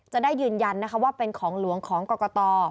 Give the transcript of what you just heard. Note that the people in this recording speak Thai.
จะได้ยืนยันนะคะว่าเป็นของหลวงของกรกต